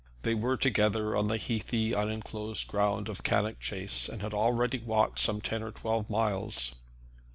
They were together on the heathy, unenclosed ground of Cannock Chase, and had already walked some ten or twelve miles.